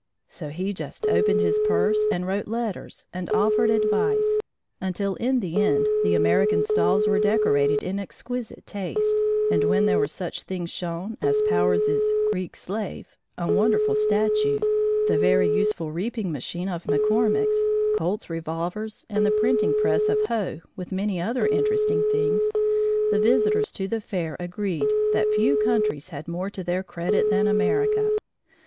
So he just opened his purse and wrote letters and offered advice, until in the end the American stalls were decorated in exquisite taste, and when there were such things shown as Powers's "Greek Slave" (a wonderful statue), the very useful reaping machine of McCormack's, Colt's revolvers, and the printing press of Hoe, with many other interesting things, the visitors to the fair agreed that few countries had more to their credit than America.